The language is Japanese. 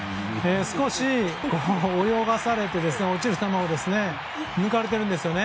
少し泳がされて落ちる球を抜かれてるんですよ。